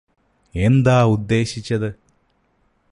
എന്താ ഉദ്ദേശിച്ചത്